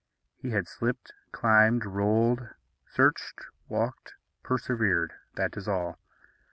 He had slipped, climbed, rolled, searched, walked, persevered, that is all.